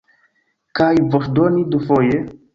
Kaj voĉdoni dufoje?